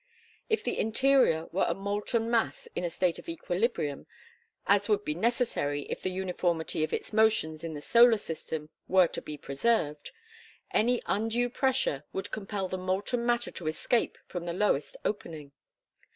If the interior were a molten mass in a state of equilibrium, as would be necessary if the uniformity of its motions in the solar system were to be preserved, any undue pressure would compel the molten matter to escape from the lowest opening.